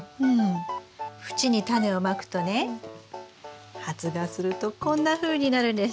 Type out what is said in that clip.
縁にタネをまくとね発芽するとこんなふうになるんです。